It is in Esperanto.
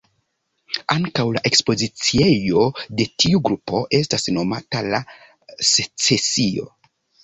Ankaŭ la ekspoziciejo de tiu grupo estas nomata "La Secesio".